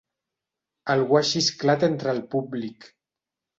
Algú ha xisclat entre el públic.